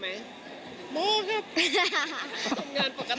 โมครับ